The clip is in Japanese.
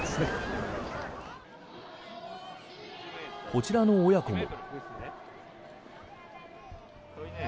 こちらの親子も。